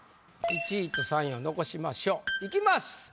１位と３位は残しましょう。いきます。